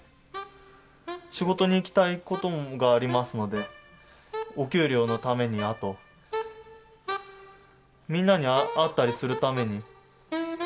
仕事に行きたいことがありますのでお給料のためにあとみんなに会ったりするために。